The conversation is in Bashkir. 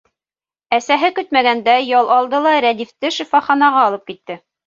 Әсәһе көтмәгәндә ял алды ла, Рәдифте шифаханаға алып китте.